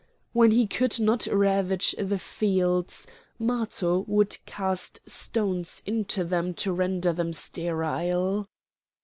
When he could not ravage the fields, Matho would cast stones into them to render them sterile.